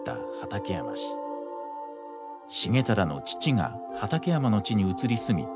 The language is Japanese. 重忠の父が畠山の地に移り住み